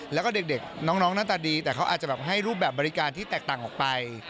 แล้วก็เด็กน้องหน้าตาดีแต่เขาอาจจะแบบให้รูปแบบบริการที่แตกต่างออกไป